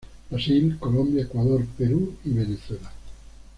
Brasil, Colombia, Ecuador, Perú y Venezuela.